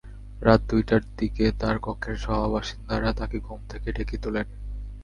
রাত দুইটার দিকে তাঁর কক্ষের সহবাসিন্দারা তাঁকে ঘুম থেকে ডেকে তোলেন।